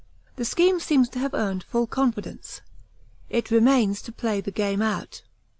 The scheme seems to have earned full confidence: it remains to play the game out.